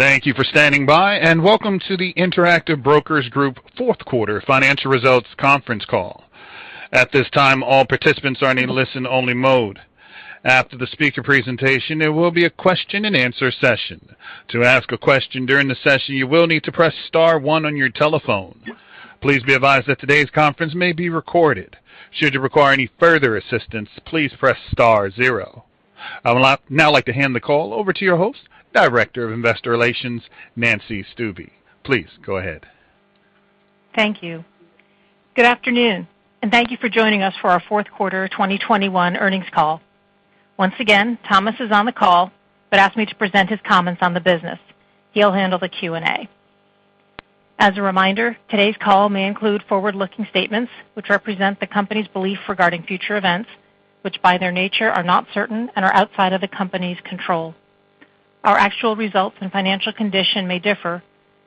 Thank you for standing by, and welcome to the Interactive Brokers Group fourth quarter financial results conference call. At this time, all participants are in listen-only mode. After the speaker presentation, there will be a question-and-answer session. To ask a question during the session, you will need to press star one on your telephone. Please be advised that today's conference may be recorded. Should you require any further assistance, please press star zero. I would now like to hand the call over to your host, Director of Investor Relations, Nancy Stuebe. Please go ahead. Thank you. Good afternoon, and thank you for joining us for our fourth quarter 2021 earnings call. Once again, Thomas is on the call, but asked me to present his comments on the business. He'll handle the Q&A. As a reminder, today's call may include forward-looking statements which represent the company's belief regarding future events, which, by their nature, are not certain and are outside of the company's control. Our actual results and financial condition may differ,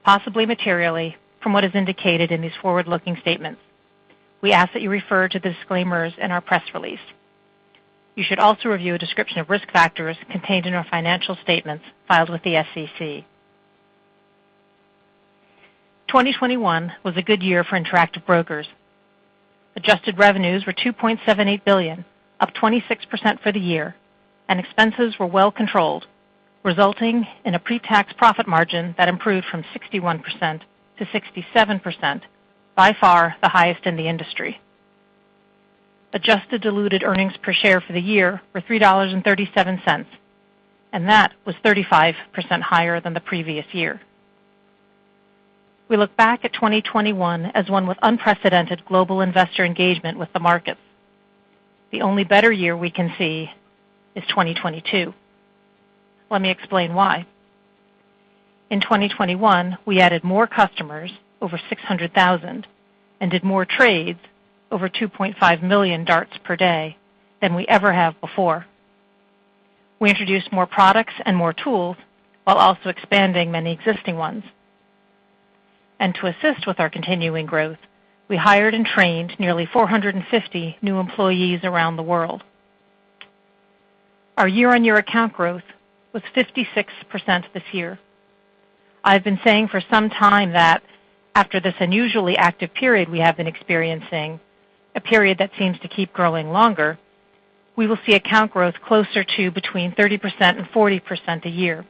possibly materially, from what is indicated in these forward-looking statements. We ask that you refer to the disclaimers in our press release. You should also review a description of risk factors contained in our financial statements filed with the SEC. 2021 was a good year for Interactive Brokers. Adjusted revenues were $2.78 billion, up 26% for the year, and expenses were well controlled, resulting in a pre-tax profit margin that improved from 61% to 67%, by far the highest in the industry. Adjusted diluted earnings per share for the year were $3.37, and that was 35% higher than the previous year. We look back at 2021 as one with unprecedented global investor engagement with the markets. The only better year we can see is 2022. Let me explain why. In 2021, we added more customers, over 600,000, and did more trades, over 2.5 million DARTs per day, than we ever have before. We introduced more products and more tools while also expanding many existing ones. To assist with our continuing growth, we hired and trained nearly 450 new employees around the world. Our year-on-year account growth was 56% this year. I've been saying for some time that after this unusually active period we have been experiencing, a period that seems to keep growing longer, we will see account growth closer to between 30% and 40% a year.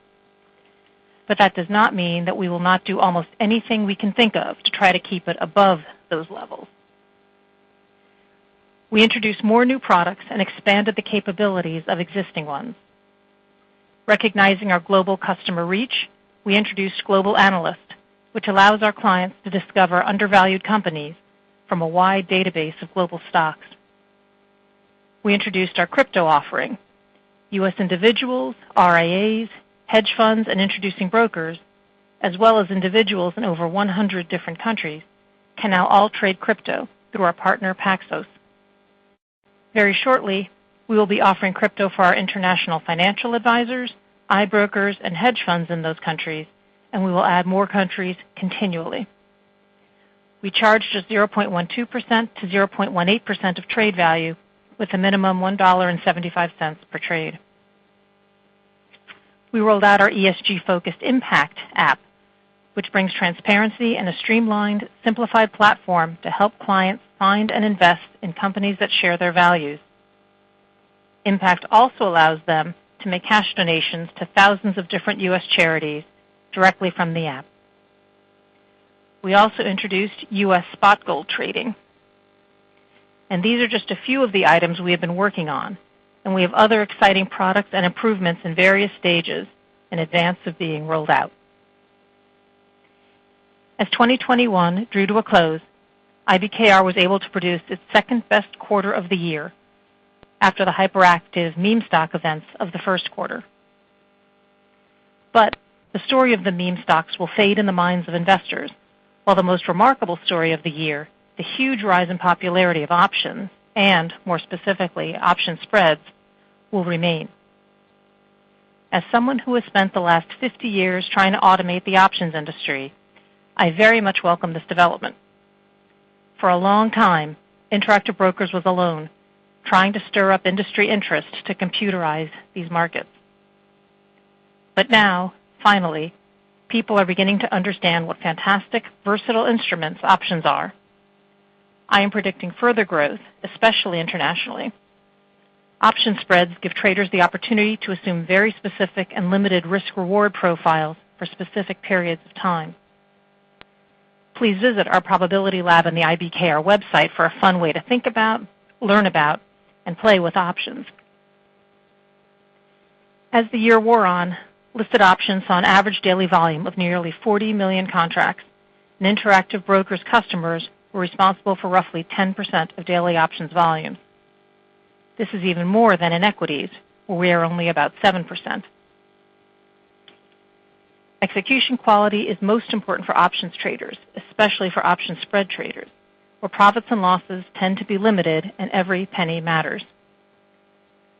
That does not mean that we will not do almost anything we can think of to try to keep it above those levels. We introduced more new products and expanded the capabilities of existing ones. Recognizing our global customer reach, we introduced GlobalAnalyst, which allows our clients to discover undervalued companies from a wide database of global stocks. We introduced our crypto offering. U.S. individuals, RIAs, hedge funds, and introducing brokers, as well as individuals in over 100 different countries, can now all trade crypto through our partner, Paxos. Very shortly, we will be offering crypto for our international financial advisors, IBKR, and hedge funds in those countries, and we will add more countries continually. We charge just 0.12%-0.18% of trade value with a minimum $1.75 per trade. We rolled out our ESG-focused IMPACT app, which brings transparency and a streamlined, simplified platform to help clients find and invest in companies that share their values. IMPACT also allows them to make cash donations to thousands of different U.S. charities directly from the app. We also introduced U.S. spot gold trading. These are just a few of the items we have been working on, and we have other exciting products and improvements in various stages in advance of being rolled out. As 2021 drew to a close, IBKR was able to produce its second-best quarter of the year after the hyperactive meme stock events of the first quarter. The story of the meme stocks will fade in the minds of investors, while the most remarkable story of the year, the huge rise in popularity of options, and more specifically, option spreads, will remain. As someone who has spent the last 50 years trying to automate the options industry, I very much welcome this development. For a long time, Interactive Brokers was alone, trying to stir up industry interest to computerize these markets. Now, finally, people are beginning to understand what fantastic, versatile instruments options are. I am predicting further growth, especially internationally. Option spreads give traders the opportunity to assume very specific and limited risk-reward profiles for specific periods of time. Please visit our Probability Lab on the IBKR website for a fun way to think about, learn about, and play with options. As the year wore on, listed options saw an average daily volume of nearly 40 million contracts, and Interactive Brokers customers were responsible for roughly 10% of daily options volume. This is even more than in equities, where we are only about 7%. Execution quality is most important for options traders, especially for option spread traders, where profits and losses tend to be limited and every penny matters.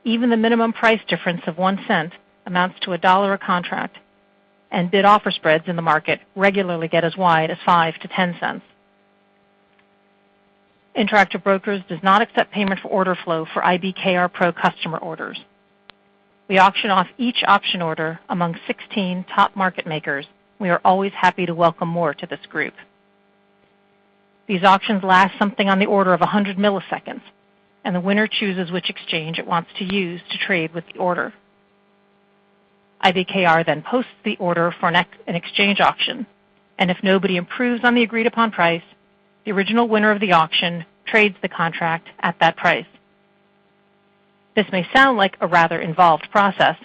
Even the minimum price difference of $0.01 amounts to $1 a contract, and bid-ask spreads in the market regularly get as wide as $0.5-$0.10. Interactive Brokers does not accept payment for order flow for IBKR Pro customer orders. We auction off each option order among 16 top market makers. We are always happy to welcome more to this group. These auctions last something on the order of 100 milliseconds, and the winner chooses which exchange it wants to use to trade with the order. IBKR then posts the order for an exchange auction, and if nobody improves on the agreed upon price, the original winner of the auction trades the contract at that price. This may sound like a rather involved process,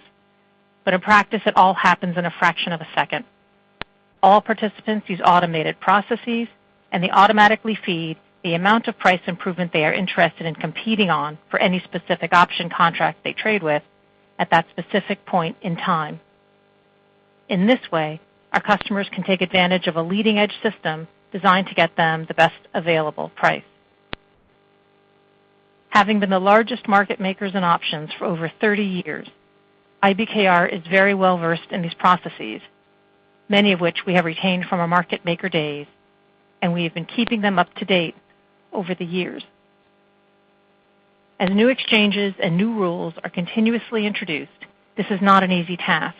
but in practice, it all happens in a fraction of a second. All participants use automated processes, and they automatically feed the amount of price improvement they are interested in competing on for any specific option contract they trade with at that specific point in time. In this way, our customers can take advantage of a leading-edge system designed to get them the best available price. Having been the largest market makers in options for over 30 years, IBKR is very well-versed in these processes, many of which we have retained from our market maker days, and we have been keeping them up to date over the years. As new exchanges and new rules are continuously introduced, this is not an easy task,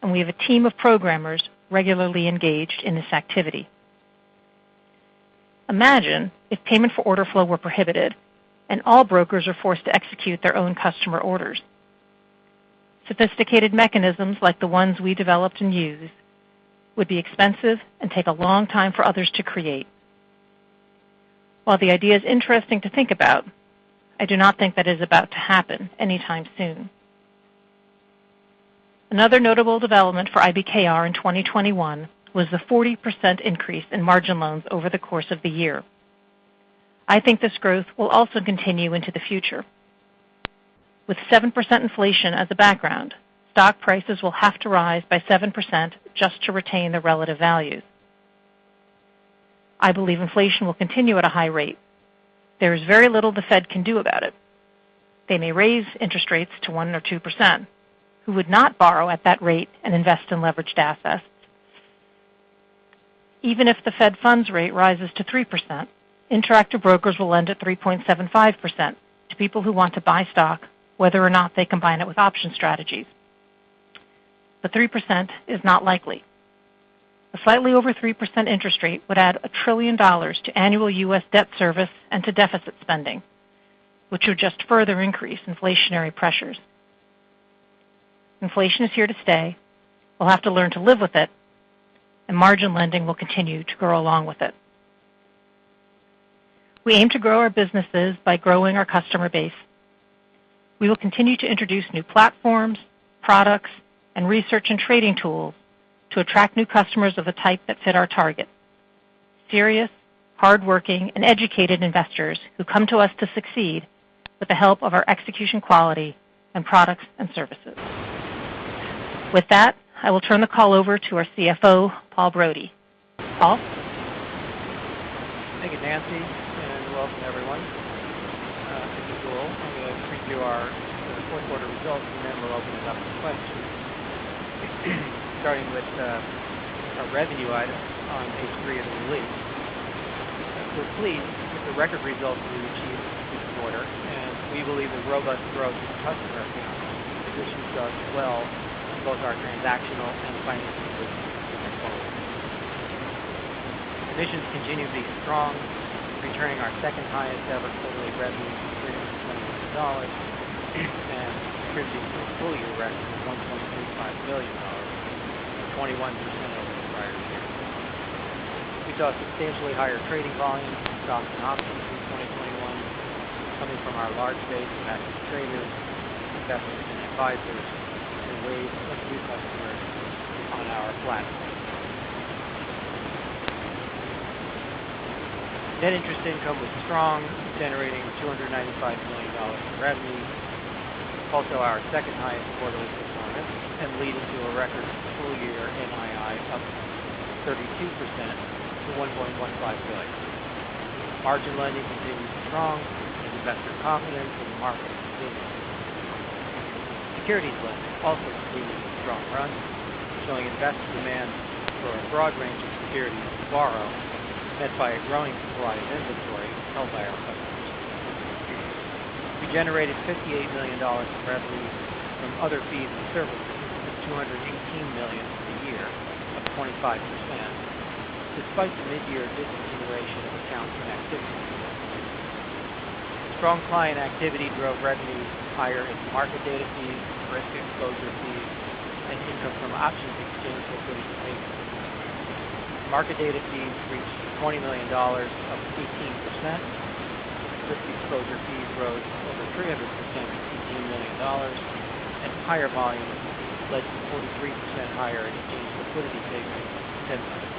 and we have a team of programmers regularly engaged in this activity. Imagine if payment for order flow were prohibited and all brokers are forced to execute their own customer orders. Sophisticated mechanisms like the ones we developed and use would be expensive and take a long time for others to create. While the idea is interesting to think about, I do not think that is about to happen anytime soon. Another notable development for IBKR in 2021 was the 40% increase in margin loans over the course of the year. I think this growth will also continue into the future. With 7% inflation as a background, stock prices will have to rise by 7% just to retain their relative value. I believe inflation will continue at a high rate. There is very little the Fed can do about it. They may raise interest rates to 1% or 2%, who would not borrow at that rate and invest in leveraged assets. Even if the Fed funds rate rises to 3%, Interactive Brokers will lend at 3.75% to people who want to buy stock, whether or not they combine it with option strategies. Three percent is not likely. A slightly over 3% interest rate would add $1 trillion to annual U.S. debt service and to deficit spending, which would just further increase inflationary pressures. Inflation is here to stay. We'll have to learn to live with it, and margin lending will continue to grow along with it. We aim to grow our businesses by growing our customer base. We will continue to introduce new platforms, products, and research and trading tools to attract new customers of the type that fit our target. Serious, hardworking, and educated investors who come to us to succeed with the help of our execution quality and products and services. With that, I will turn the call over to our CFO, Paul Brody. Paul? Thank you, Nancy, and welcome everyone. As usual, I'm gonna preview the fourth quarter results, and then we'll open it up for questions. Starting with our revenue items on page three of the release. We're pleased with the record results we achieved this quarter, and we believe the robust growth in customer accounts positions us well in both our transactional and financing businesses going forward. Commissions continue to be strong, returning our second-highest-ever quarterly revenue of $321 million and contributing to a full-year record of $1.35 billion, 21% over the prior year. We saw substantially higher trading volumes in stocks and options in 2021 coming from our large base of active traders, investment advisors, and wave of new customers on our platform. Net interest income was strong, generating $295 million in revenue, also our second highest quarterly performance and leading to a record full year NII up 32% to $1.15 billion. Margin lending continued strong as investor confidence in the market continued. Securities lending also continued a strong run, showing investor demand for a broad range of securities to borrow, met by a growing supply of inventory held by our customers. We generated $58 million in revenues from other fees and services, $218 million for the year, up 25%, despite the mid-year discontinuation of accounts and activities. Strong client activity drove revenues higher in market data fees, risk exposure fees, and income from options exchange liquidity payments. Market data fees reached $20 million, up 18%. Risk exposure fees rose over 300% to $18 million, and higher volume led to 43% higher in exchange liquidity payments of $10 million.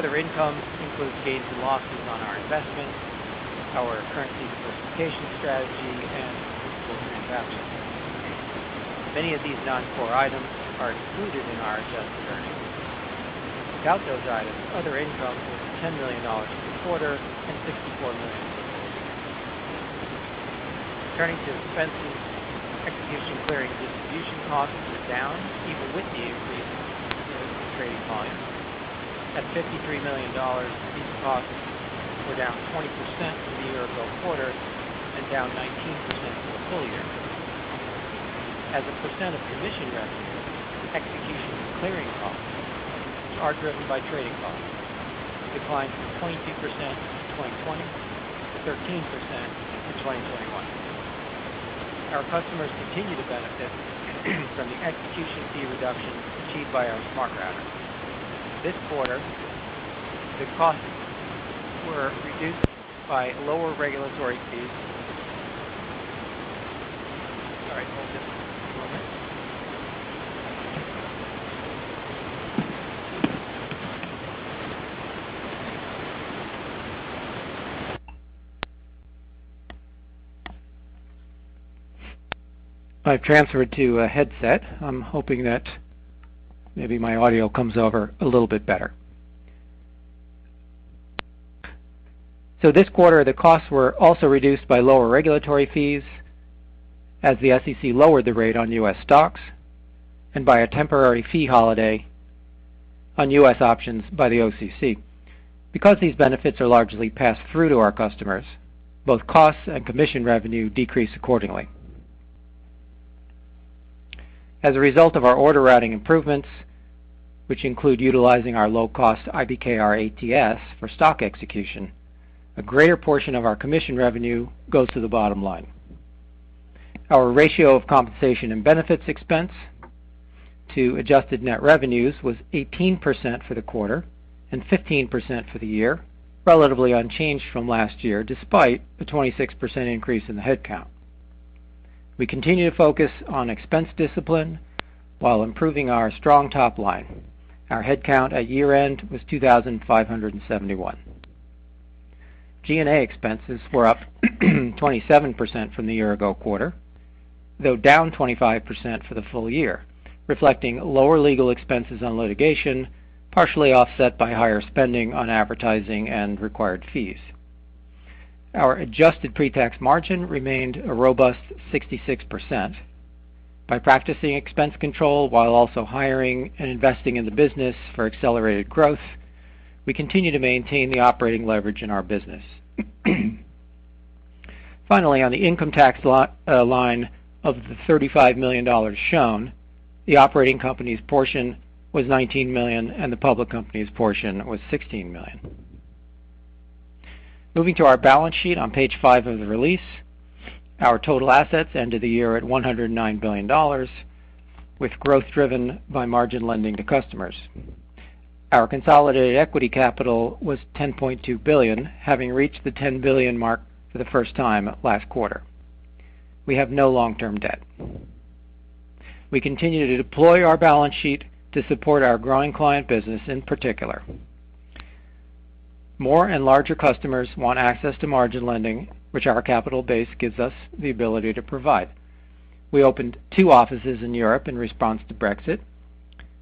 Other income includes gains and losses on our investments, our currency diversification strategy, and principal transactions. Many of these non-core items are excluded in our adjusted earnings. Without those items, other income was $10 million for the quarter and $64 million for the year. Turning to expenses, execution clearing and distribution costs were down even with the increase in trading volume. At $53 million, these costs were down 20% from the year-ago quarter and down 19% for the full year. As a percent of commission revenue, execution and clearing costs, driven by trading costs, declined from 22% in 2020 to 13% in 2021. Our customers continue to benefit from the execution fee reduction achieved by our SmartRouting. This quarter, the costs were reduced by lower regulatory fees. Sorry, hold just one moment. I've transferred to a headset. I'm hoping that maybe my audio comes over a little bit better. This quarter, the costs were also reduced by lower regulatory fees as the SEC lowered the rate on U.S. stocks and by a temporary fee holiday on U.S. options by the OCC. Because these benefits are largely passed through to our customers, both costs and commission revenue decrease accordingly. As a result of our order routing improvements, which include utilizing our low-cost IBKR ATS for stock execution, a greater portion of our commission revenue goes to the bottom line. Our ratio of compensation and benefits expense to adjusted net revenues was 18% for the quarter and 15% for the year, relatively unchanged from last year despite the 26% increase in the head count. We continue to focus on expense discipline while improving our strong top line. Our head count at year-end was 2,571. G&A expenses were up 27% from the year ago quarter, though down 25% for the full year, reflecting lower legal expenses on litigation, partially offset by higher spending on advertising and required fees. Our adjusted pre-tax margin remained a robust 66%. By practicing expense control while also hiring and investing in the business for accelerated growth, we continue to maintain the operating leverage in our business. Finally, on the income tax line of the $35 million shown, the operating company's portion was $19 million, and the public company's portion was $16 million. Moving to our balance sheet on page five of the release. Our total assets ended the year at $109 billion, with growth driven by margin lending to customers. Our consolidated equity capital was $10.2 billion, having reached the $10 billion mark for the first time last quarter. We have no long-term debt. We continue to deploy our balance sheet to support our growing client business, in particular. More and larger customers want access to margin lending, which our capital base gives us the ability to provide. We opened two offices in Europe in response to Brexit.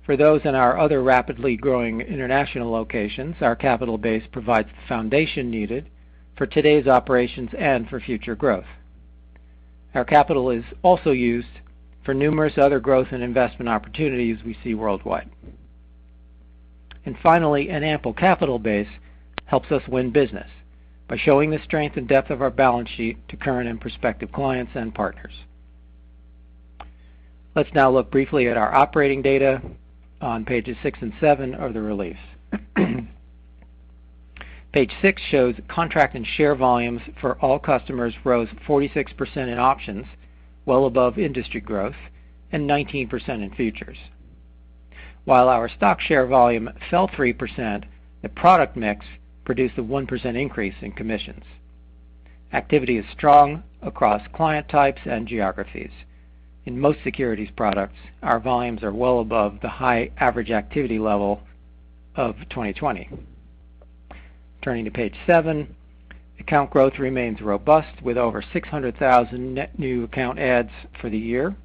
For those in our other rapidly growing international locations, our capital base provides the foundation needed for today's operations and for future growth. Our capital is also used for numerous other growth and investment opportunities we see worldwide. Finally, an ample capital base helps us win business by showing the strength and depth of our balance sheet to current and prospective clients and partners. Let's now look briefly at our operating data on pages six and seven of the release. Page six shows contract and share volumes for all customers rose 46% in options, well above industry growth, and 19% in futures. While our stock share volume fell 3%, the product mix produced a 1% increase in commissions. Activity is strong across client types and geographies. In most securities products, our volumes are well above the high average activity level of 2020. Turning to page seven, account growth remains robust with over 600,000 net new account adds for the year.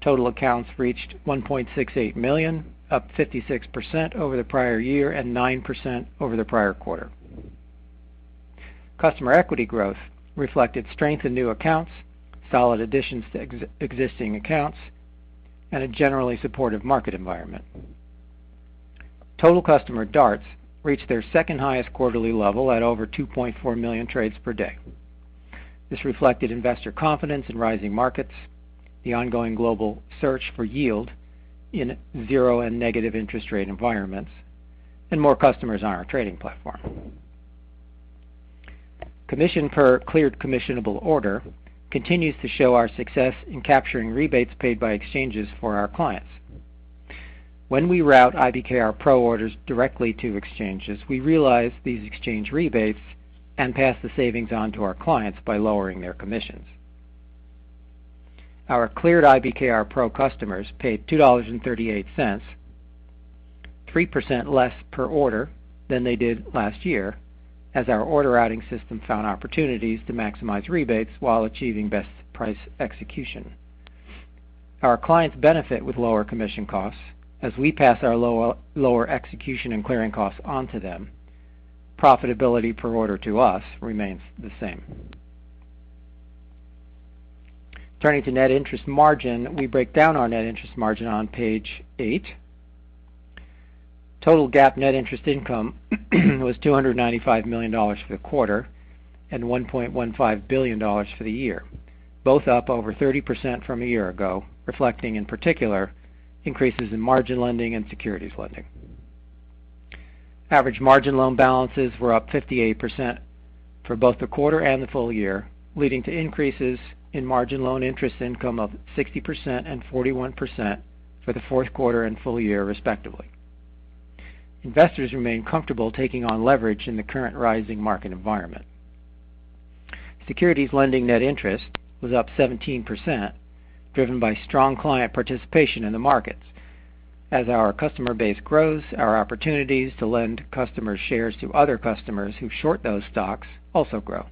Total accounts reached 1.68 million, up 56% over the prior year and 9% over the prior quarter. Customer equity growth reflected strength in new accounts, solid additions to existing accounts, and a generally supportive market environment. Total customer DARTs reached their second highest quarterly level at over 2.4 million trades per day. This reflected investor confidence in rising markets, the ongoing global search for yield in zero and negative interest rate environments, and more customers on our trading platform. Commission per cleared commissionable order continues to show our success in capturing rebates paid by exchanges for our clients. When we route IBKR Pro orders directly to exchanges, we realize these exchange rebates and pass the savings on to our clients by lowering their commissions. Our cleared IBKR Pro customers paid $2.38, 3% less per order than they did last year as our order routing system found opportunities to maximize rebates while achieving best price execution. Our clients benefit with lower commission costs as we pass our lower execution and clearing costs on to them. Profitability per order to us remains the same. Turning to net interest margin. We break down our net interest margin on page eight. Total GAAP net interest income was $295 million for the quarter and $1.15 billion for the year. Both up over 30% from a year ago, reflecting in particular increases in margin lending and securities lending. Average margin loan balances were up 58% for both the quarter and the full year, leading to increases in margin loan interest income of 60% and 41% for the fourth quarter and full year respectively. Investors remain comfortable taking on leverage in the current rising market environment. Securities lending net interest was up 17%, driven by strong client participation in the markets. As our customer base grows, our opportunities to lend customer shares to other customers who short those stocks also grow.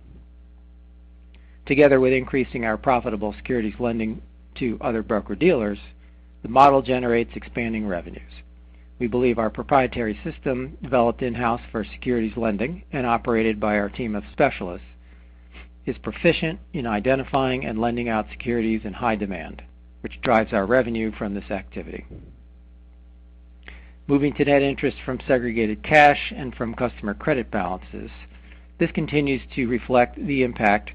Together with increasing our profitable securities lending to other broker-dealers, the model generates expanding revenues. We believe our proprietary system, developed in-house for securities lending and operated by our team of specialists, is proficient in identifying and lending out securities in high demand, which drives our revenue from this activity. Moving to net interest from segregated cash and from customer credit balances. This continues to reflect the impact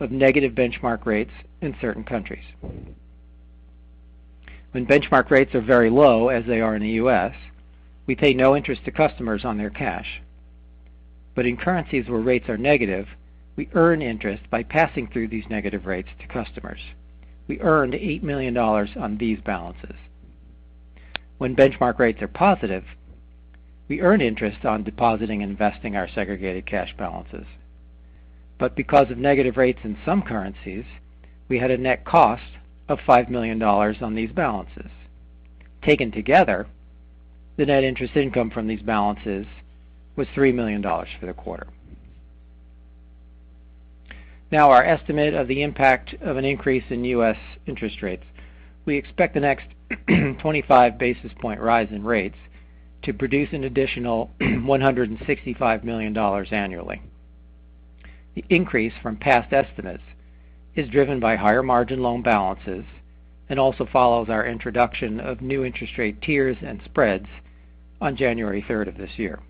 of negative benchmark rates in certain countries. When benchmark rates are very low, as they are in the U.S., we pay no interest to customers on their cash. In currencies where rates are negative, we earn interest by passing through these negative rates to customers. We earned $8 million on these balances. When benchmark rates are positive, we earn interest on depositing and investing our segregated cash balances. Because of negative rates in some currencies, we had a net cost of $5 million on these balances. Taken together, the net interest income from these balances was $3 million for the quarter. Now, our estimate of the impact of an increase in U.S. interest rates. We expect the next 25 basis point rise in rates to produce an additional $165 million annually. The increase from past estimates is driven by higher margin loan balances and also follows our introduction of new interest rate tiers and spreads on January third of this year.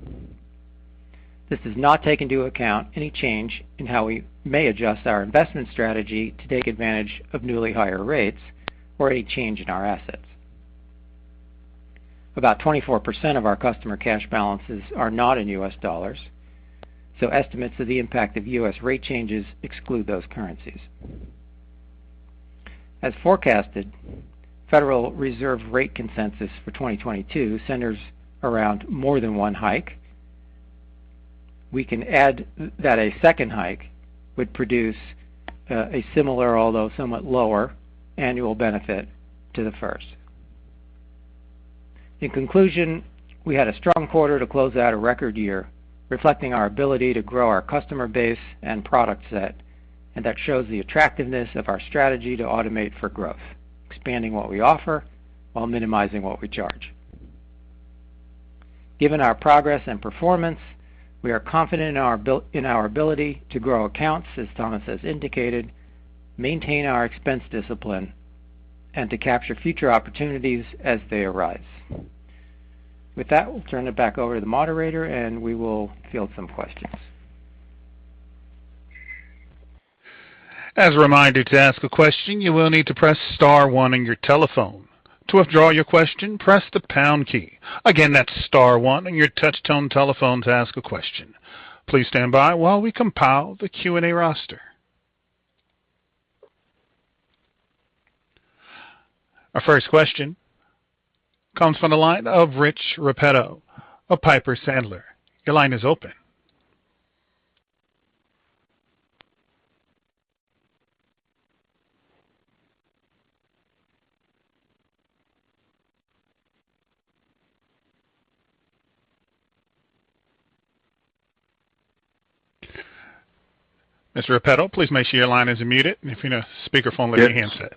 This does not take into account any change in how we may adjust our investment strategy to take advantage of newly higher rates or any change in our assets. About 24% of our customer cash balances are not in U.S. dollars, so estimates of the impact of U.S. rate changes exclude those currencies. As forecasted, Federal Reserve rate consensus for 2022 centers around more than one hike. We can add that a second hike would produce, a similar, although somewhat lower, annual benefit to the first. In conclusion, we had a strong quarter to close out a record year, reflecting our ability to grow our customer base and product set. That shows the attractiveness of our strategy to automate for growth, expanding what we offer while minimizing what we charge. Given our progress and performance, we are confident in our ability to grow accounts, as Thomas has indicated, maintain our expense discipline, and to capture future opportunities as they arise. With that, we'll turn it back over to the moderator, and we will field some questions. As a reminder to ask a question, you will need to press star one on your telephone. To withdraw your question, press the pound key. Again, that's star one on your touch-tone telephone to ask a question. Please stand by while we compile the Q&A roster. Our first question comes from the line of Rich Repetto of Piper Sandler. Your line is open. Mr. Repetto, please make sure your line isn't muted, and if you're in a speakerphone, pick up your handset.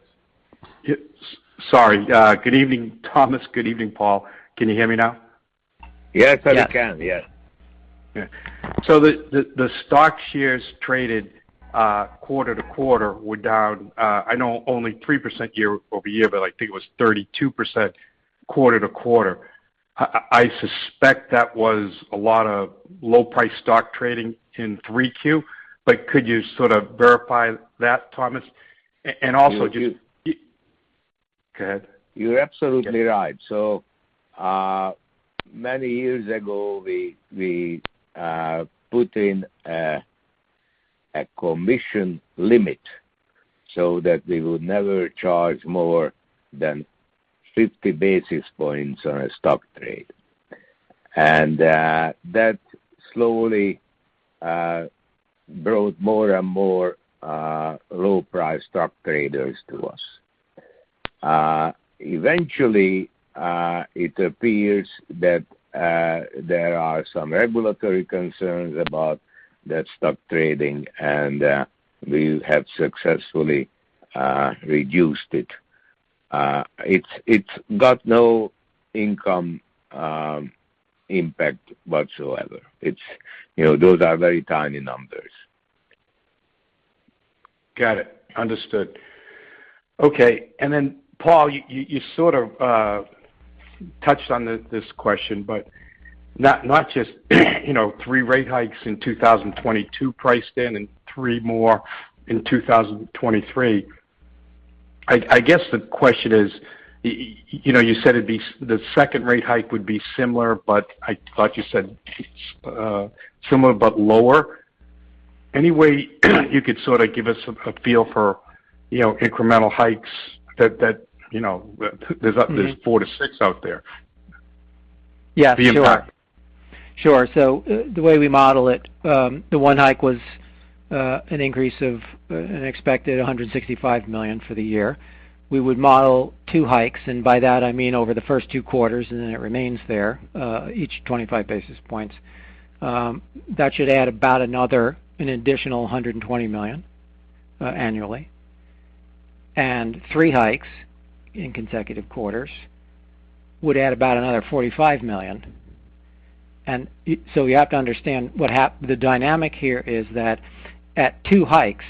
Sorry. Good evening, Thomas. Good evening, Paul. Can you hear me now? Yes, I can. Yes. The stock shares traded quarter-over-quarter were down. I know only 3% year-over-year, but I think it was 32% quarter-over-quarter. I suspect that was a lot of low price stock trading in 3Q. Could you sort of verify that, Thomas? And also just- Go ahead. You're absolutely right. Many years ago, we put in a commission limit so that we would never charge more than 50 basis points on a stock trade. That slowly brought more and more low price stock traders to us. Eventually, it appears that there are some regulatory concerns about that stock trading, and we have successfully reduced it. It's got no income impact whatsoever. It's, you know, those are very tiny numbers. Then, Paul, you sort of touched on this question, but not just, you know, three rate hikes in 2022 priced in and three more in 2023. I guess the question is, you know, you said it'd be the second rate hike would be similar, but I thought you said, similar but lower. Any way you could sort of give us a feel for, you know, incremental hikes that, you know, there's up- Mm-hmm. There's four to six out there. Yeah, sure. The impact. Sure. The way we model it, the one hike was an increase of an expected $165 million for the year. We would model two hikes, and by that I mean over the first two quarters, and then it remains there, each 25 basis points. That should add about another additional $120 million annually. Three hikes in consecutive quarters would add about another $45 million. So you have to understand the dynamic here is that at two hikes,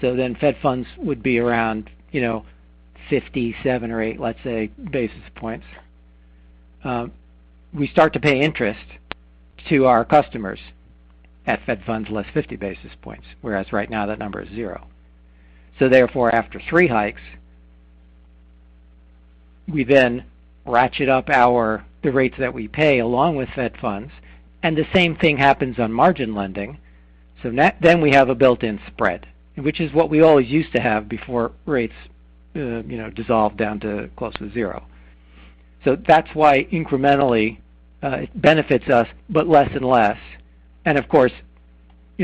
then Fed funds would be around, you know, 57 or 58, let's say, basis points. We start to pay interest to our customers at Fed funds less 50 basis points, whereas right now that number is zero. Therefore after three hikes, we then ratchet up our rates that we pay along with Fed funds, and the same thing happens on margin lending. Net then we have a built-in spread, which is what we always used to have before rates, you know, dissolve down to close to zero. That's why incrementally, it benefits us, but less and less. Of course, you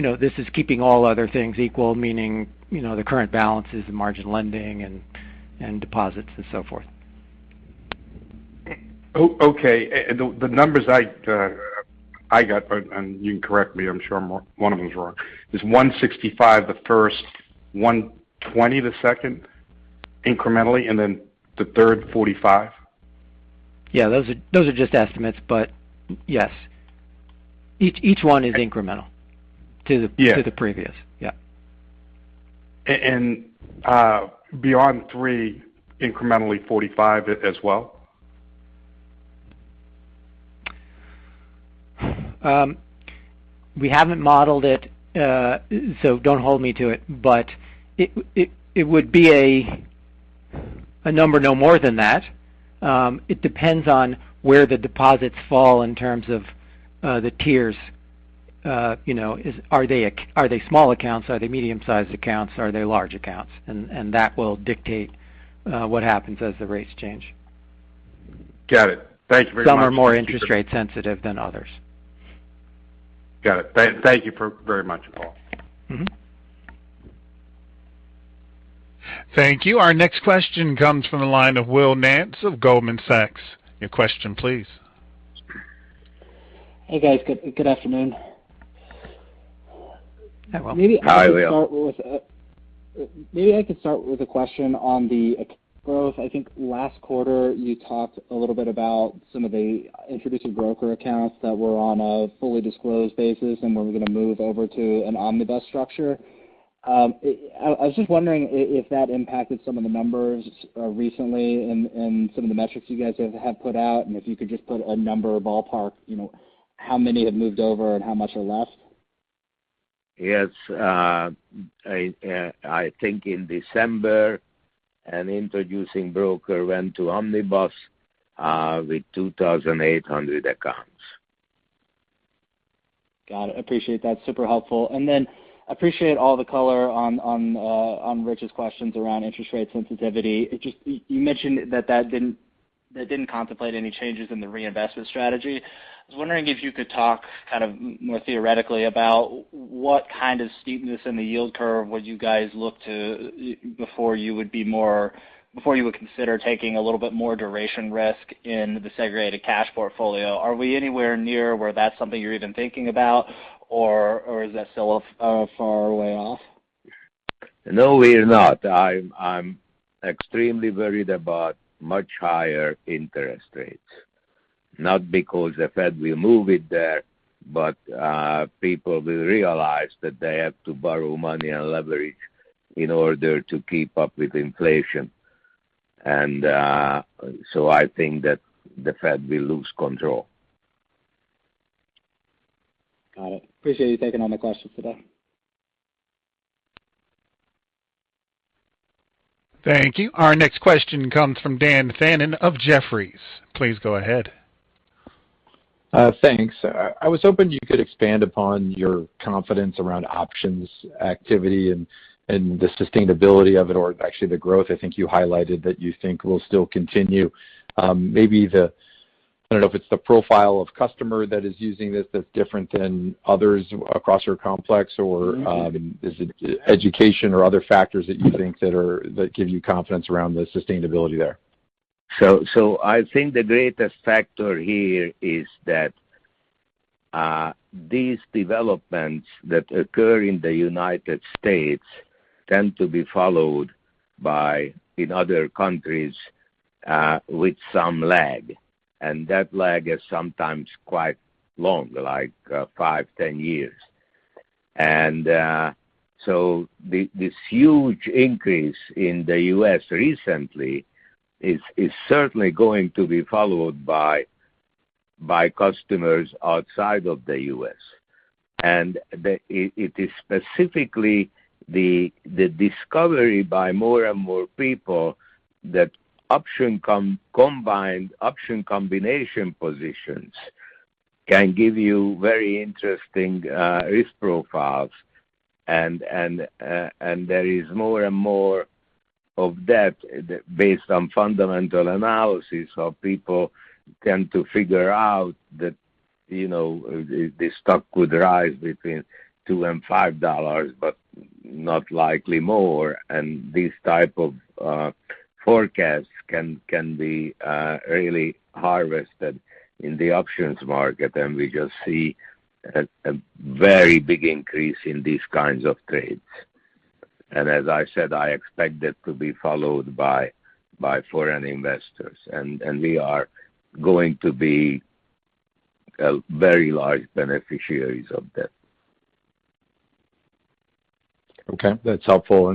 know, this is keeping all other things equal, meaning, you know, the current balances, the margin lending and deposits and so forth. Okay. The numbers I got, and you can correct me, I'm sure one of them is wrong. Is 165 the first, 120 the second incrementally, and then the third 45? Yeah, those are just estimates, but yes. Each one is incremental to the- Yeah. To the previous. Yeah. beyond three incrementally 45 as well? We haven't modeled it, so don't hold me to it, but it would be a number no more than that. It depends on where the deposits fall in terms of the tiers. You know, are they small accounts? Are they medium-sized accounts? Are they large accounts? That will dictate what happens as the rates change. Got it. Thank you very much. Some are more interest rate sensitive than others. Got it. Thank you very much, Paul. Mm-hmm. Thank you. Our next question comes from the line of Will Nance of Goldman Sachs. Your question please. Hey, guys. Good afternoon. Hi, Will. Hi, Will. Maybe I can start with a question on the growth. I think last quarter you talked a little bit about some of the introducing broker accounts that were on a fully disclosed basis and were gonna move over to an omnibus structure. I was just wondering if that impacted some of the numbers recently and some of the metrics you guys have put out, and if you could just put a number or ballpark, you know, how many have moved over and how much are left. Yes, I think in December an introducing broker went to omnibus with 2,800 accounts. Got it. Appreciate that. Super helpful. Appreciate all the color on Rich's questions around interest rate sensitivity. You mentioned that that didn't contemplate any changes in the reinvestment strategy. I was wondering if you could talk kind of more theoretically about what kind of steepness in the yield curve would you guys look to before you would consider taking a little bit more duration risk in the segregated cash portfolio. Are we anywhere near where that's something you're even thinking about or is that still a far way off? No, we're not. I'm extremely worried about much higher interest rates. Not because the Fed will move it there, but people will realize that they have to borrow money and leverage in order to keep up with inflation. I think that the Fed will lose control. Got it. Appreciate you taking all my questions today. Thank you. Our next question comes from Dan Fannon of Jefferies. Please go ahead. Thanks. I was hoping you could expand upon your confidence around options activity and the sustainability of it or actually the growth I think you highlighted that you think will still continue. Maybe I don't know if it's the profile of customer that is using this that's different than others across your complex or, is it education or other factors that you think that give you confidence around the sustainability there? I think the greatest factor here is that. These developments that occur in the United States tend to be followed by, in other countries, with some lag, and that lag is sometimes quite long, like, five, 10 years. So this huge increase in the U.S. recently is certainly going to be followed by customers outside of the U.S. It is specifically the discovery by more and more people that options combination positions can give you very interesting risk profiles. There is more and more of that based on fundamental analysis of people tend to figure out that, you know, the stock could rise between $2 and $5, but not likely more. These type of forecasts can be really harvested in the options market, and we just see a very big increase in these kinds of trades. As I said, I expect it to be followed by foreign investors, and we are going to be very large beneficiaries of that. Okay, that's helpful.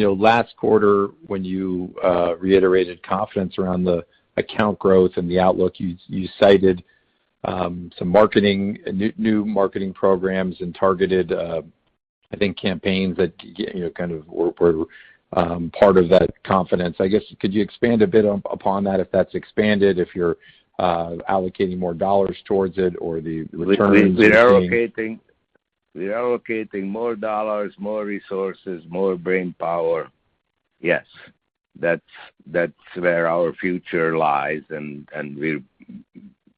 You know, last quarter, when you reiterated confidence around the account growth and the outlook, you cited some marketing, new marketing programs and targeted, I think campaigns that, you know, kind of were part of that confidence. I guess could you expand a bit upon that, if that's expanded, if you're allocating more dollars towards it or the returns you're seeing? We're allocating more dollars, more resources, more brainpower. Yes. That's where our future lies and we're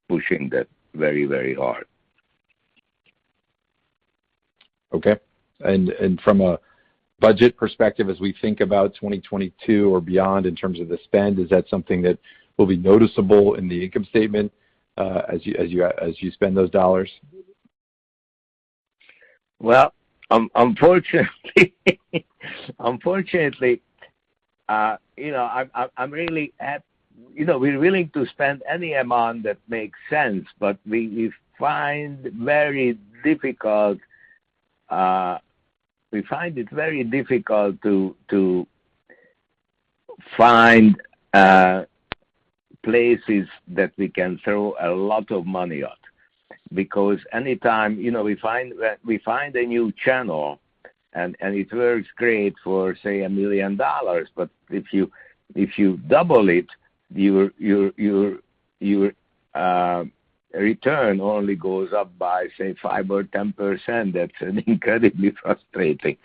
pushing that very, very hard. Okay. From a budget perspective, as we think about 2022 or beyond in terms of the spend, is that something that will be noticeable in the income statement, as you spend those dollars? Well, unfortunately, you know, we're willing to spend any amount that makes sense, but we find it very difficult to find places that we can throw a lot of money at. Because anytime, you know, we find a new channel and it works great for, say, $1 million, but if you double it, your return only goes up by, say, 5% or 10%. That's incredibly frustrating.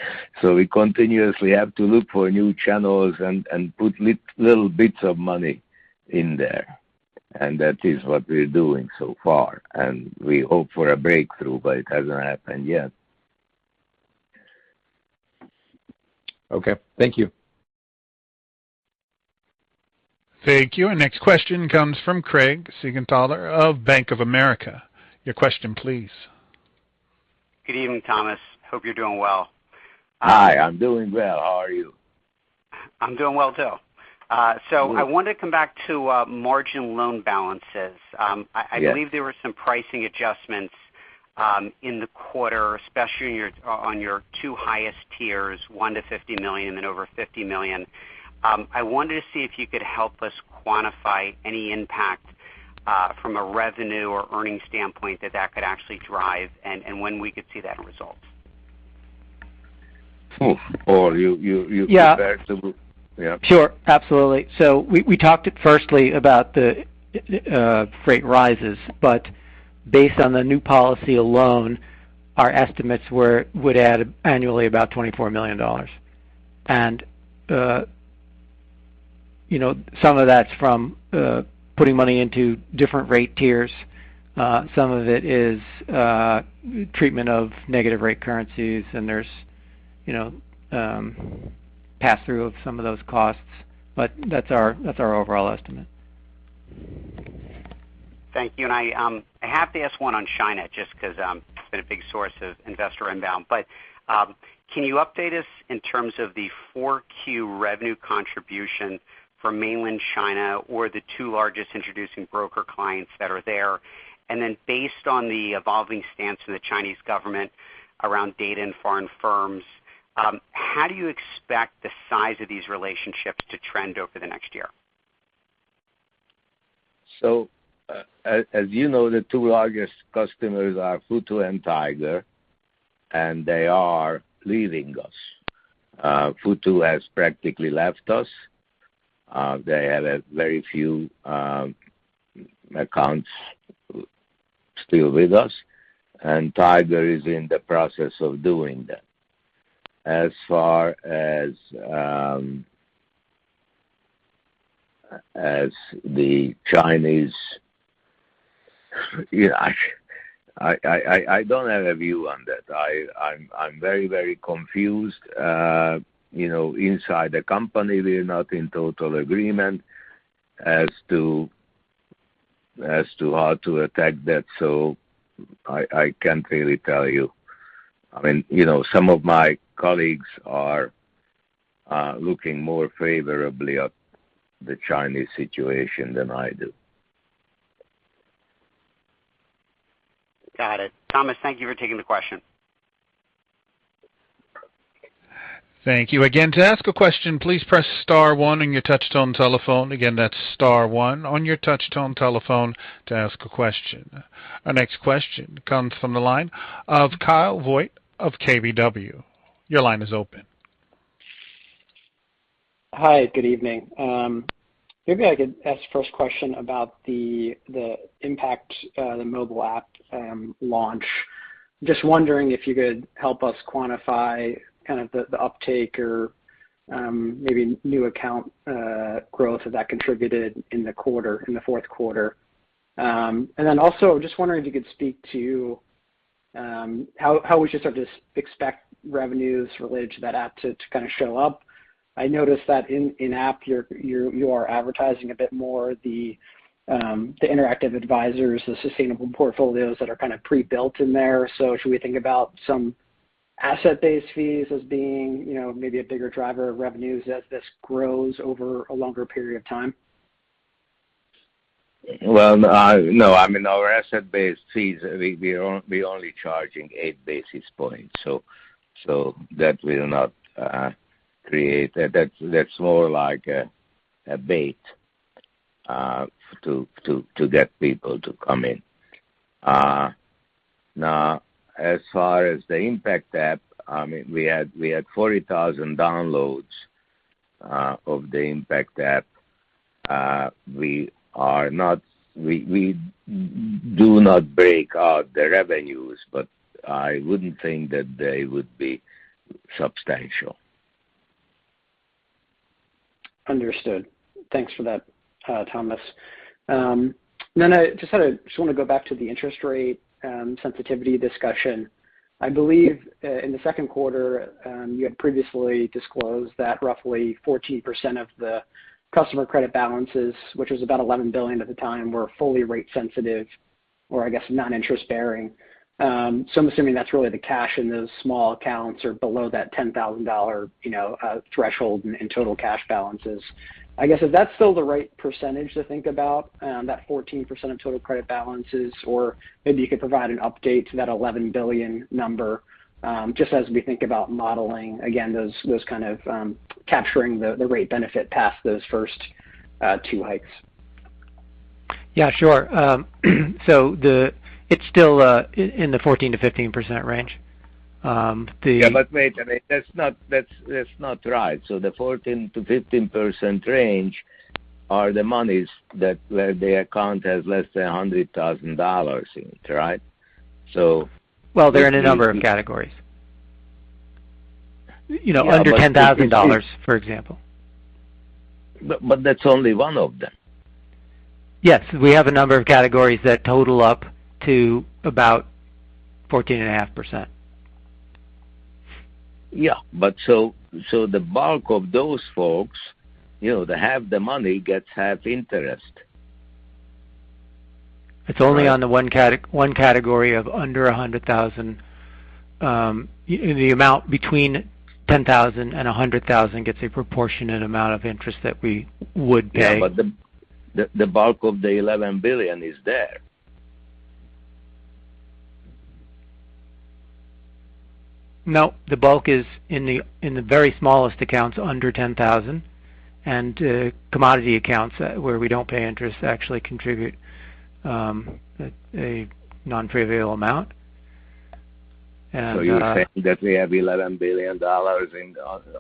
We continuously have to look for new channels and put little bits of money in there. That is what we're doing so far. We hope for a breakthrough, but it hasn't happened yet. Okay. Thank you. Thank you. Next question comes from Craig Siegenthaler of Bank of America. Your question, please. Good evening, Thomas. Hope you're doing well. Hi, I'm doing well. How are you? I'm doing well, too. Good. I want to come back to margin loan balances. Yes. I believe there were some pricing adjustments in the quarter, especially on your two highest tiers, $1 million-$50 million and then over $50 million. I wanted to see if you could help us quantify any impact from a revenue or earnings standpoint that could actually drive and when we could see that in results. Paul, you Yeah. Yeah. Sure. Absolutely. We talked firstly about the rate rises, but based on the new policy alone, our estimates would add annually about $24 million. Some of that's from putting money into different rate tiers. Some of it is treatment of negative rate currencies, and there's pass through of some of those costs. That's our overall estimate. Thank you. I have to ask one on China just because it's been a big source of investor inbound. Can you update us in terms of the 4Q revenue contribution from Mainland China or the two largest introducing broker clients that are there? Then based on the evolving stance of the Chinese government around data and foreign firms, how do you expect the size of these relationships to trend over the next year? As you know, the two largest customers are Futu and Tiger, and they are leaving us. Futu has practically left us. They have very few accounts still with us, and Tiger is in the process of doing that. As far as the Chinese, you know, I don't have a view on that. I'm very confused. You know, inside the company, we're not in total agreement. As to how to attack that, I can't really tell you. I mean, you know, some of my colleagues are looking more favorably at the Chinese situation than I do. Got it. Thomas, thank you for taking the question. Our next question comes from the line of Kyle Voigt of KBW. Your line is open. Hi, good evening. Maybe I could ask the first question about the impact of the mobile app launch. Just wondering if you could help us quantify kind of the uptake or maybe new account growth that contributed in the quarter, in the fourth quarter. And then also just wondering if you could speak to how we should start to expect revenues related to that app to kind of show up. I noticed that in the app you are advertising a bit more the Interactive Advisors, the sustainable portfolios that are kind of pre-built in there. So should we think about some asset-based fees as being, you know, maybe a bigger driver of revenues as this grows over a longer period of time? Well, no. I mean our asset-based fees, we only charging eight basis points. So that will not create. That's more like a bait to get people to come in. Now as far as the IMPACT app, I mean, we had 40,000 downloads of the IMPACT app. We do not break out the revenues, but I wouldn't think that they would be substantial. Understood. Thanks for that, Thomas. I just thought I wanna go back to the interest rate sensitivity discussion. I believe in the second quarter you had previously disclosed that roughly 14% of the customer credit balances, which was about $11 billion at the time, were fully rate sensitive or I guess non-interest bearing. I'm assuming that's really the cash in those small accounts or below that $10,000, you know, threshold in total cash balances. I guess, is that still the right percentage to think about that 14% of total credit balances? Or maybe you could provide an update to that $11 billion number just as we think about modeling again those kind of capturing the rate benefit past those first two hikes. Yeah, sure. It's still in the 14%-15% range. The- Yeah, wait a minute. That's not right. The 14%-15% range are the monies that where the account has less than $100,000 in it, right? Well, they're in a number of categories. Yeah, but it- You know, under $10,000, for example. That's only one of them. Yes. We have a number of categories that total up to about 14.5%. Yeah. The bulk of those folks, you know, they have the money, gets half interest. It's only on the one category of under 100,000. The amount between 10,000 and 100,000 gets a proportionate amount of interest that we would pay. Yeah, the bulk of the $11 billion is there. No, the bulk is in the very smallest accounts under 10,000. Commodity accounts where we don't pay interest actually contribute a non-trivial amount. You're saying that we have $11 billion in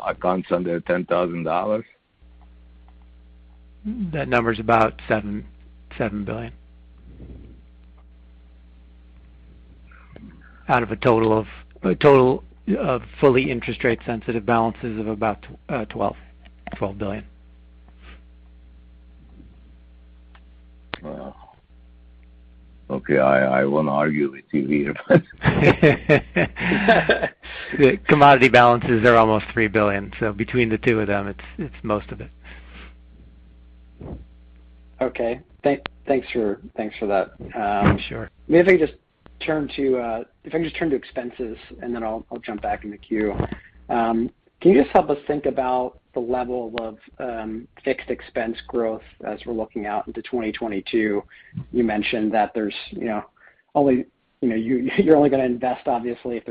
accounts under $10,000? That number's about $7 billion. Out of a total of fully interest rate sensitive balances of about $12 billion. Wow. Okay. I won't argue with you here. The commodity balances are almost $3 billion. Between the two of them, it's most of it. Okay. Thanks for that. Sure. Maybe if I could just turn to expenses, and then I'll jump back in the queue. Can you just help us think about the level of fixed expense growth as we're looking out into 2022? You mentioned that there's, you know, only you know, you're only gonna invest obviously if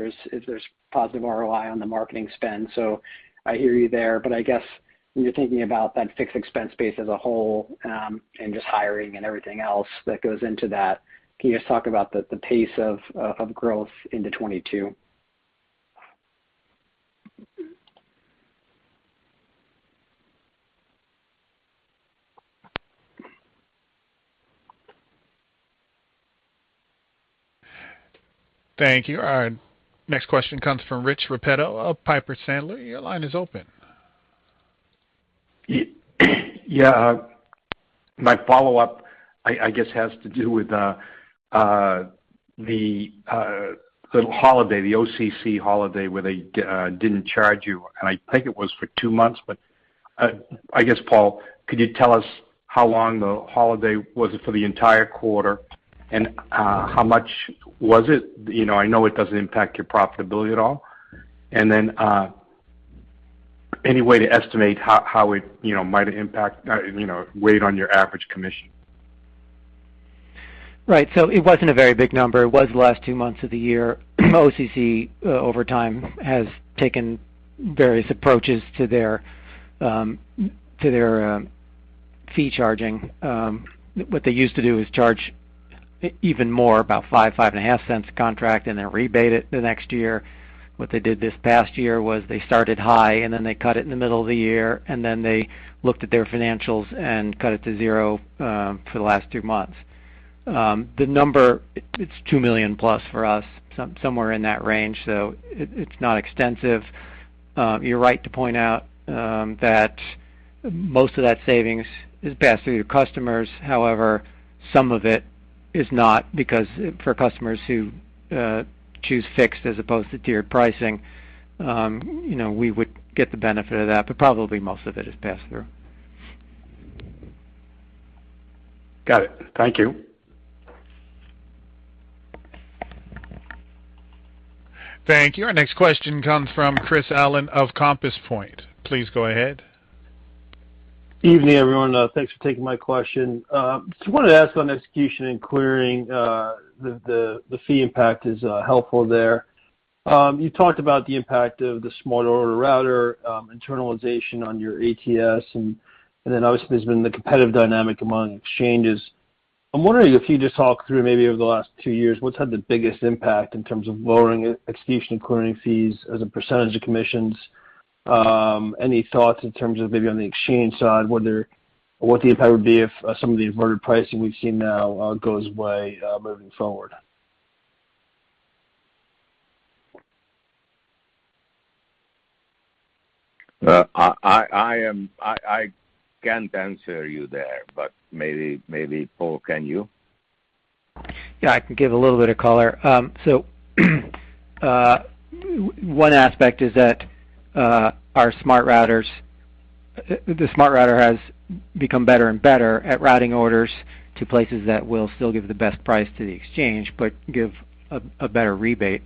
there's positive ROI on the marketing spend. I hear you there, but I guess when you're thinking about that fixed expense base as a whole, and just hiring and everything else that goes into that, can you just talk about the pace of growth into 2022? Thank you. Our next question comes from Rich Repetto of Piper Sandler. Your line is open. Yeah. My follow-up I guess it has to do with the holiday, the OCC holiday, where they didn't charge you. I think it was for two months, but I guess, Paul, could you tell us how long the holiday was? Was it for the entire quarter, and how much was it? You know, I know it doesn't impact your profitability at all. Then, any way to estimate how it, you know, might impact, you know, weigh on your average commission. Right. It wasn't a very big number. It was the last two months of the year. OCC over time has taken various approaches to their fee charging. What they used to do is charge even more about $0.05, $0.055 a contract, and then rebate it the next year. What they did this past year was they started high, and then they cut it in the middle of the year, and then they looked at their financials and cut it to zero for the last two months. The number, it's $2 million+ for us, somewhere in that range, so it's not extensive. You're right to point out that most of that savings is passed through to customers. However, some of it is not because for customers who choose fixed as opposed to tiered pricing, you know, we would get the benefit of that, but probably most of it is passed through. Got it. Thank you. Thank you. Our next question comes from Chris Allen of Compass Point. Please go ahead. Evening, everyone. Thanks for taking my question. Just wanted to ask on execution and clearing, the fee impact is helpful there. You talked about the impact of the SmartRouting, internalization on your ATS, and then obviously there's been the competitive dynamic among exchanges. I'm wondering if you just talk through maybe over the last two years, what's had the biggest impact in terms of lowering execution and clearing fees as a percentage of commissions. Any thoughts in terms of maybe on the exchange side, whether or what the impact would be if some of the inverted pricing we've seen now goes away, moving forward. I can't answer you there, but maybe Paul can you? Yeah, I can give a little bit of color. One aspect is that our SmartRouting has become better and better at routing orders to places that will still give the best price to the exchange, but give a better rebate.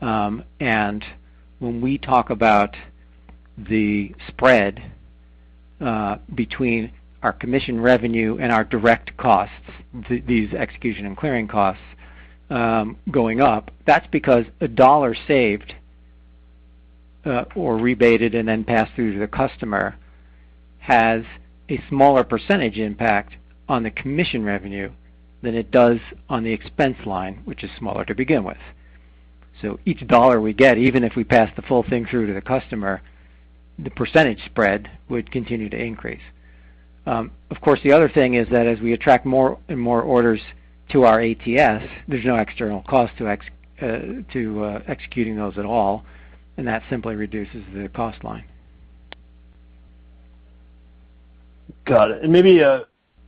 When we talk about the spread between our commission revenue and our direct costs, these execution and clearing costs going up, that's because a dollar saved or rebated and then passed through to the customer has a smaller percentage impact on the commission revenue than it does on the expense line, which is smaller to begin with. Each dollar we get, even if we pass the full thing through to the customer, the percentage spread would continue to increase. Of course, the other thing is that as we attract more and more orders to our ATS, there's no external cost to executing those at all, and that simply reduces the cost line. Got it. Maybe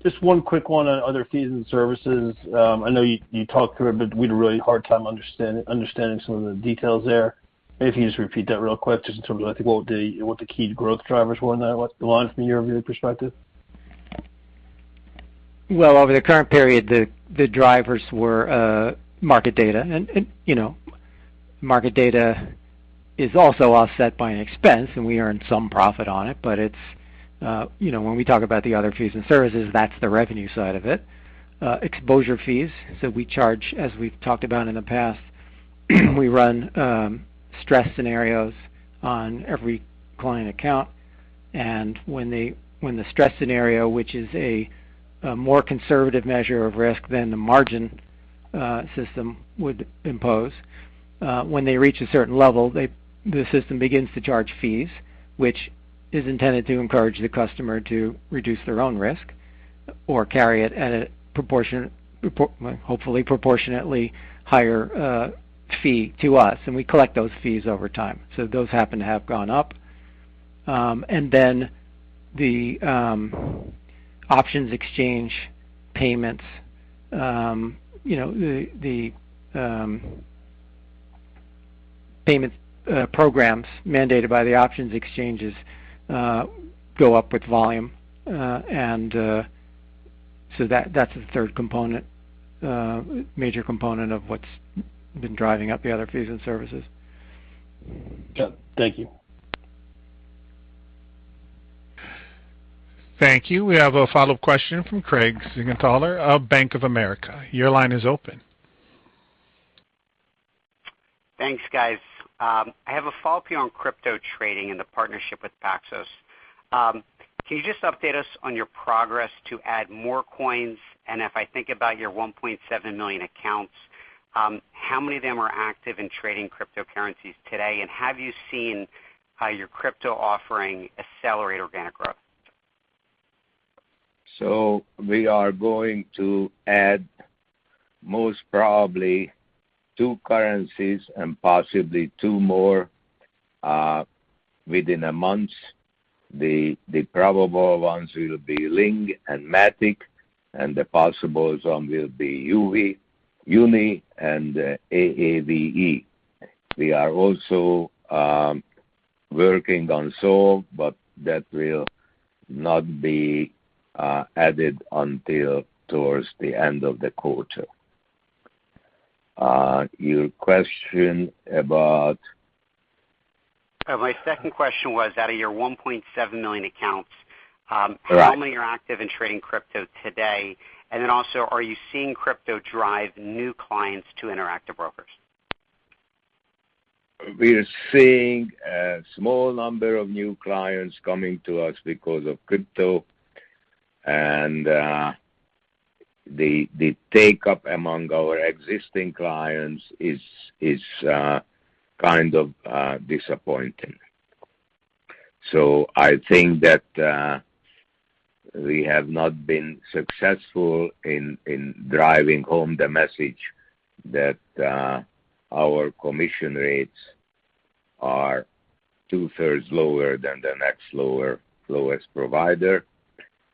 just one quick one on other fees and services. I know you talked through it, but we had a really hard time understanding some of the details there. Maybe if you can just repeat that real quick, just in terms of like what the key growth drivers were in that line from your perspective. Well, over the current period, the drivers were market data. You know, market data is also offset by an expense, and we earn some profit on it, but it's you know, when we talk about the other fees and services, that's the revenue side of it. Exposure fees. We charge, as we've talked about in the past, we run stress scenarios on every client account. When the stress scenario, which is a more conservative measure of risk than the margin system would impose, when they reach a certain level, the system begins to charge fees, which is intended to encourage the customer to reduce their own risk or carry it at a hopefully proportionately higher fee to us, and we collect those fees over time. Those happen to have gone up. Options exchange payments, you know, the payment programs mandated by the options exchanges, go up with volume. That's the third component, major component of what's been driving up the other fees and services. Got it. Thank you. Thank you. We have a follow-up question from Craig Siegenthaler of Bank of America. Your line is open. Thanks, guys. I have a follow-up here on crypto trading and the partnership with Paxos. Can you just update us on your progress to add more coins? If I think about your 1.7 million accounts, how many of them are active in trading cryptocurrencies today? Have you seen how your crypto offering accelerate organic growth? We are going to add most probably two currencies and possibly two more within a month. The probable ones will be LINK and MATIC, and the possible ones will be UNI and AAVE. We are also working on SOL, but that will not be added until towards the end of the quarter. Your question about... My second question was out of your 1.7 million accounts, Right. How many are active in trading crypto today? And then also, are you seeing crypto drive new clients to Interactive Brokers? We are seeing a small number of new clients coming to us because of crypto. The take-up among our existing clients is kind of disappointing. I think that we have not been successful in driving home the message that our commission rates are two-thirds lower than the next lower, lowest provider.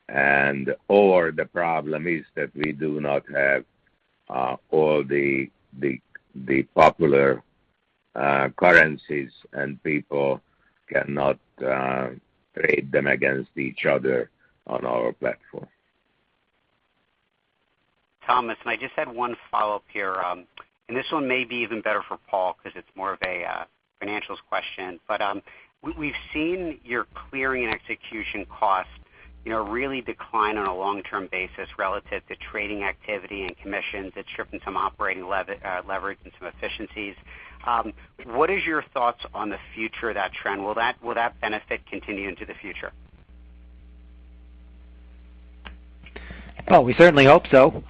The problem is that we do not have all the popular currencies, and people cannot trade them against each other on our platform. Thomas, I just had one follow-up here. This one may be even better for Paul because it's more of a financials question. We've seen your clearing and execution costs, you know, really decline on a long-term basis relative to trading activity and commissions. It's stripping some operating leverage and some efficiencies. What is your thoughts on the future of that trend? Will that benefit continue into the future? Well, we certainly hope so.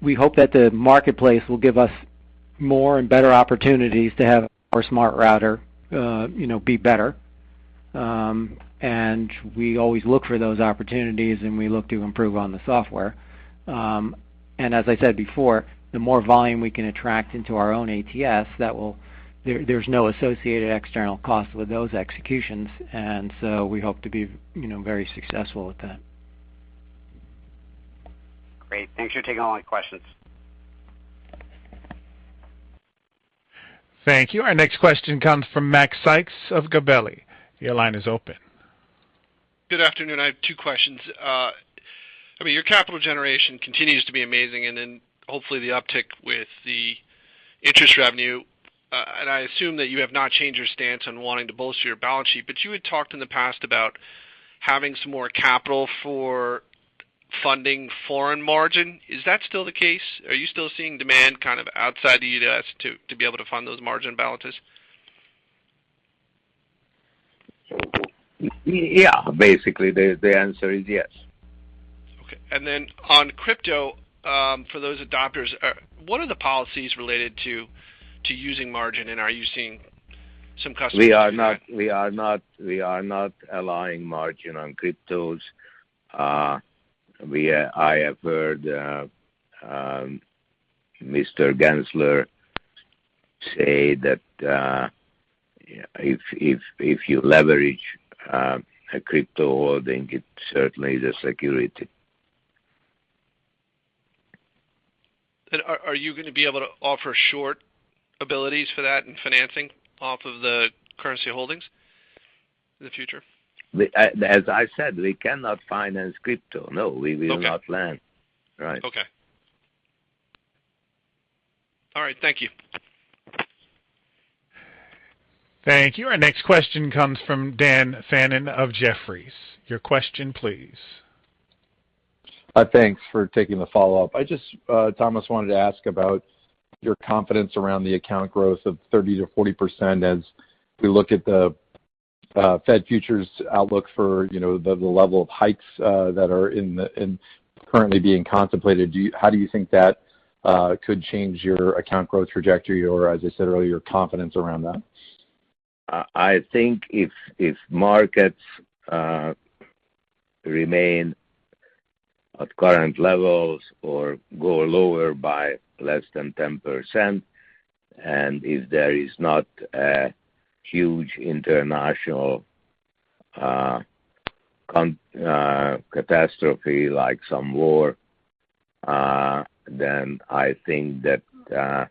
We hope that the marketplace will give us more and better opportunities to have our SmartRouting, you know, be better. We always look for those opportunities, and we look to improve on the software. As I said before, the more volume we can attract into our own ATS, that will. There's no associated external cost with those executions, and so we hope to be, you know, very successful with that. Great. Thanks for taking all my questions. Thank you. Our next question comes from Macrae Sykes of Gabelli. Your line is open. Good afternoon. I have two questions. I mean, your capital generation continues to be amazing, and then hopefully the uptick with the interest revenue. I assume that you have not changed your stance on wanting to bolster your balance sheet. You had talked in the past about having some more capital for funding foreign margin. Is that still the case? Are you still seeing demand kind of outside the U.S. to be able to fund those margin balances? Yeah. Basically, the answer is yes. Okay. On crypto, for those adopters, what are the policies related to using margin, and are you seeing some customers do that? We are not allowing margin on cryptos. I have heard Mr. Gensler say that if you leverage a crypto holding, it certainly is a security. Are you gonna be able to offer shorting abilities for that and financing off of the currency holdings in the future? As I said, we cannot finance crypto. No- Okay. We will not lend. Right. Okay. All right. Thank you. Thank you. Our next question comes from Dan Fannon of Jefferies. Your question, please. Thanks for taking the follow-up. I just, Thomas, wanted to ask about your confidence around the account growth of 30%-40% as we look at the fed funds futures outlook for, you know, the level of hikes that are currently being contemplated. How do you think that could change your account growth trajectory or, as I said earlier, your confidence around that? I think if markets remain at current levels or go lower by less than 10%, and if there is not a huge international catastrophe like some war, then I think that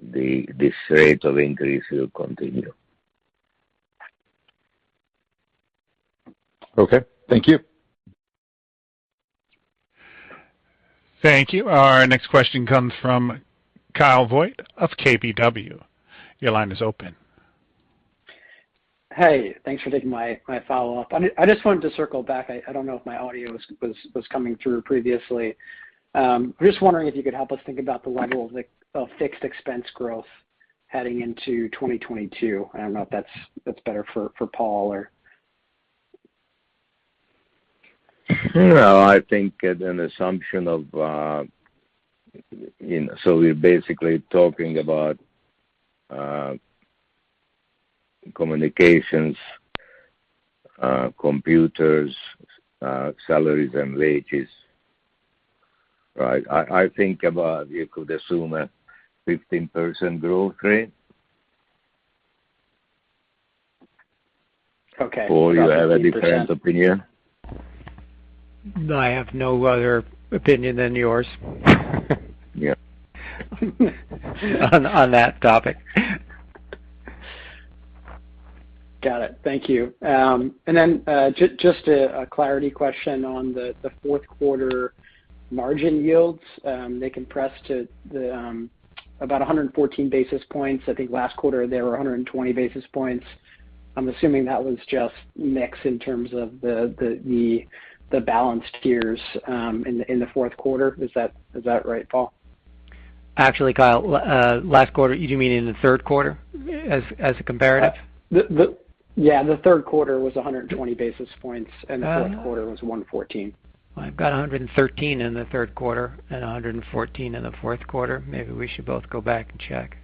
this rate of increase will continue. Okay. Thank you. Thank you. Our next question comes from Kyle Voigt of KBW. Your line is open. Hey, thanks for taking my follow-up. I mean, I just wanted to circle back. I don't know if my audio was coming through previously. I'm just wondering if you could help us think about the level of fixed expense growth heading into 2022. I don't know if that's better for Paul or... No, I think at an assumption of. We're basically talking about communications, computers, salaries and wages, right? I think you could assume a 15% growth rate. Okay. You have a different opinion? I have no other opinion than yours. Yeah. On that topic. Got it. Thank you. Just a clarity question on the fourth quarter margin yields. They compressed to about 114 basis points. I think last quarter they were 120 basis points. I'm assuming that was just mix in terms of the balanced tiers in the fourth quarter. Is that right, Paul? Actually, Kyle, last quarter. You do mean in the third quarter as a comparative? Yeah, the third quarter was 120 basis points, and the fourth quarter was 114 basis points. I've got 113 in the third quarter and 114 in the fourth quarter. Maybe we should both go back and check.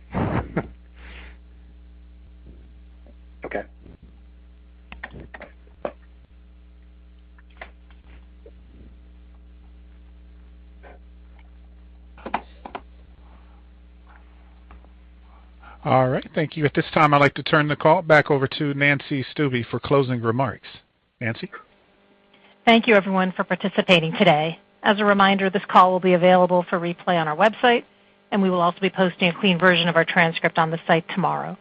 Okay. All right. Thank you. At this time, I'd like to turn the call back over to Nancy Stuebe for closing remarks. Nancy? Thank you everyone for participating today. As a reminder, this call will be available for replay on our website, and we will also be posting a clean version of our transcript on the site tomorrow.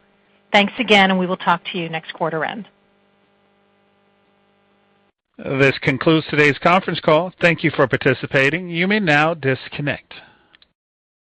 Thanks again, and we will talk to you next quarter end. This concludes today's conference call. Thank you for participating. You may now disconnect.